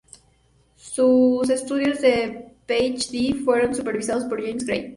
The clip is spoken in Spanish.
Sus estudios de PhD fueron supervisados por James Gray.